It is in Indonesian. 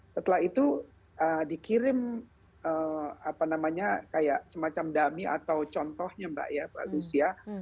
setelah itu dikirim apa namanya kayak semacam dami atau contohnya mbak ya pak lucia